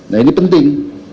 nah ini penting